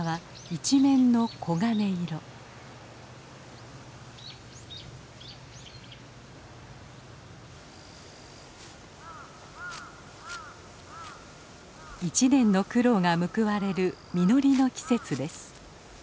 一年の苦労が報われる実りの季節です。